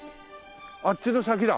あっちの先だ。